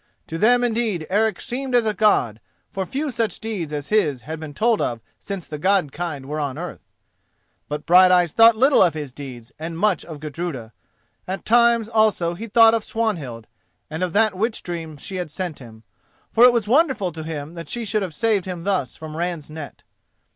To them indeed Eric seemed as a God, for few such deeds as his had been told of since the God kind were on earth. But Brighteyes thought little of his deeds, and much of Gudruda. At times also he thought of Swanhild, and of that witch dream she sent him: for it was wonderful to him that she should have saved him thus from Ran's net.